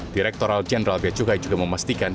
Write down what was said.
direktoral jendral beacukai juga memastikan